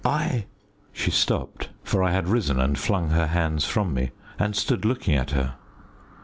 I " She stopped, for I had risen and flung her hands from me, and stood looking at her.